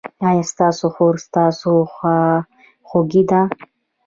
ایا ستاسو خور ستاسو خواخوږې ده؟